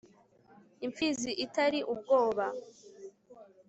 Imfizi itari ubwoba